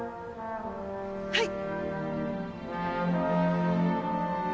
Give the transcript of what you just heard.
はい！